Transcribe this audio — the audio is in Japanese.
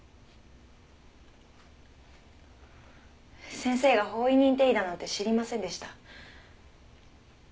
先生が法医認定医だなんて知りませんでした。